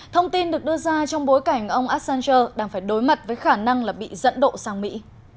thông tin được đưa ra trong bối cảnh ông assanger đang phải đối mặt với khả năng là bị dẫn độ sang mỹ